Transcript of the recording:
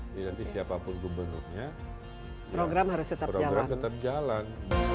jadi nanti siapapun gubernurnya program tetap jalan